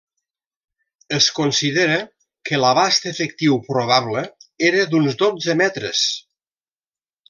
Es considera que l'abast efectiu probable era d'uns dotze metres.